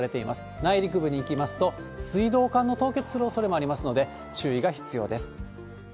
内陸部にいきますと、水道管の凍結するおそれもありますので、注意が必要です。